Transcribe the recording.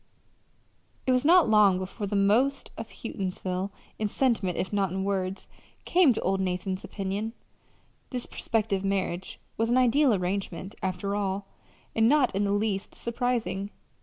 It was not long before the most of Houghtonsville in sentiment, if not in words came to old Nathan's opinion: this prospective marriage was an ideal arrangement, after all, and not in the least surprising.